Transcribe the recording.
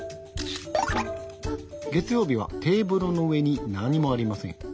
月曜日はテーブルの上に何もありません。